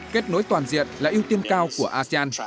kết nối toàn diện là ưu tiên cao của asean